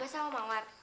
gak sama mawar